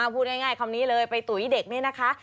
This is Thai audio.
พูดง่ายคำนี้เลยไปตุ๋ยเด็ก